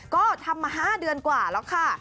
ก็ทำมา๕เดือนกว่าแล้วค่ะ